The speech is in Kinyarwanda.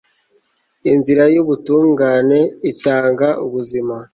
inzira y'ubutungane itanga ubuzima